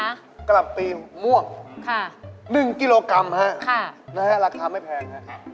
กะหลับปีม่วง๑กิโลกรัมครับครับค่ะราคาไม่แพงค่ะค่ะ